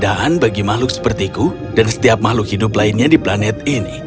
dia menjaga kemampuan bagi makhluk sepertiku dan setiap makhluk hidup lainnya di planet ini